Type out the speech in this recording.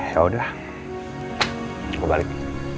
yaudah gue balik